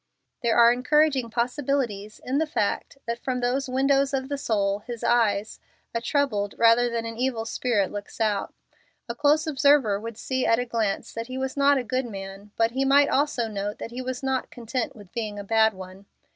There are encouraging possibilities in the fact that from those windows of the soul, his eyes, a troubled rather than an evil spirit looks out. A close observer would see at a glance that he was not a good man, but he might also note that he was not content with being a bad one.